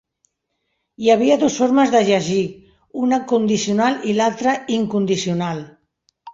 Hi havia dos formes de "jagir", una condicional i l"altre incondicional.